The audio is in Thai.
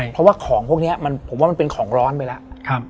เพราะว่าของพวกนี้ผมว่ามันเป็นของร้อนไปแล้ว